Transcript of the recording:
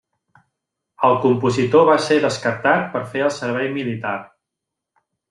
El compositor va ser descartat per fer el servei militar.